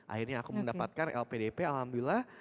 akhirnya aku mendapatkan lpdp alhamdulillah